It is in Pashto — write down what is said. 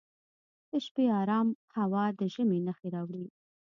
د شپې ارام هوا د ژمي نښې راوړي.